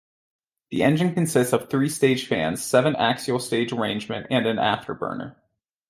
The engine consists of three-staged fans, seven axial stage arrangement, and an afterburner.